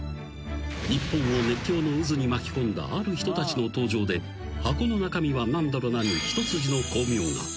日本を熱狂の渦に巻き込んだある人たちの登場で「箱の中身はなんだろな？」に一筋の光明が。